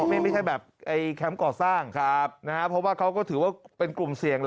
ไม่ใช่แบบแคมป์ก่อสร้างเพราะว่าเขาก็ถือว่าเป็นกลุ่มเสี่ยง